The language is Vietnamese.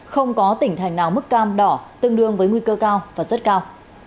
không có tỉnh thành nào mức cam đỏ tương đương với nguy cơ cao và rất cao